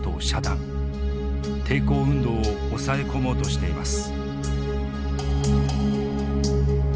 抵抗運動を抑え込もうとしています。